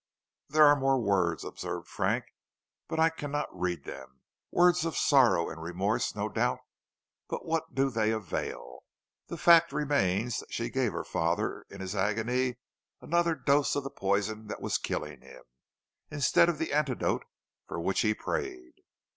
"There are more words," observed Frank, "but I cannot read them. "Words of sorrow and remorse, no doubt, but what do they avail? The fact remains that she gave her father in his agony another dose of the poison that was killing him, instead of the antidote for which he prayed."